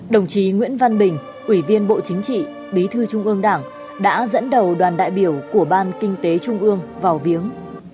đồng chí nguyễn văn bình ủy viên bộ chính trị bí thư trung ương đảng đã dẫn đầu đoàn đại biểu của ban kinh tế trung ương vào viếng